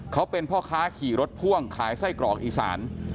เขาเป็นพ่อค้าขี่รถพ่วงขายไส้กรอกอีสาน